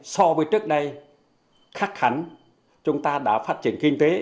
hồi trước đây khắc khắn chúng ta đã phát triển kinh tế